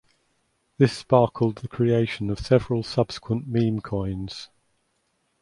This sparkled the creation of several subsequent meme coins.